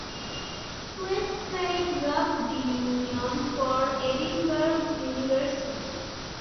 Flett played rugby union for Edinburgh University.